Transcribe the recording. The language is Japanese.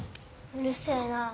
うるせえなあ。